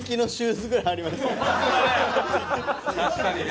確かにね。